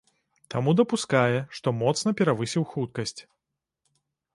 Таму дапускае, што моцна перавысіў хуткасць.